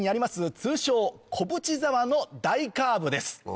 通称小淵沢の大カーブです。